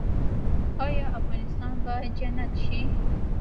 آیا افغانستان به جنت شي؟